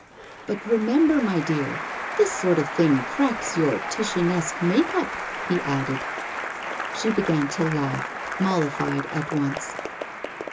'But remember, my dear, this sort of thing cracks your Titianesque "make up,"' he added. She began to laugh, mollified at once.